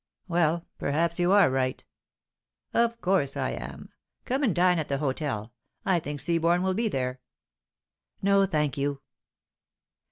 "Well, perhaps you are right." "Of course I am. Come and dine at the hotel. I think Seaborne will be there." "No, thank you."